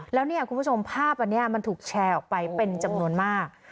แล้วเนี่ยคุณผู้ชมภาพอันนี้มันถูกแชร์ออกไปเป็นจำนวนมาก